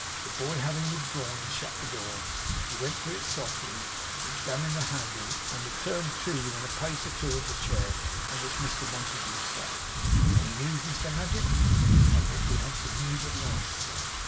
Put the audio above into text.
The boy having withdrawn and shut the door, he went to it softly, examined the handle, and returned to within a pace or two of the chair in which Mr Montague sat. 'Any news, Mr Nadgett?' 'I think we have some news at last, sir.